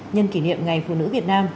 nhân kỷ niệm ngày phụ nữ việt nam